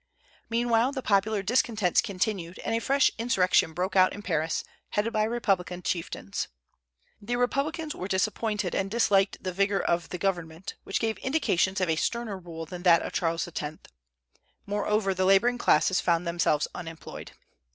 Meanwhile the popular discontents continued, and a fresh insurrection broke out in Paris, headed by Republican chieftains. The Republicans were disappointed, and disliked the vigor of the government, which gave indications of a sterner rule than that of Charles X. Moreover, the laboring classes found themselves unemployed.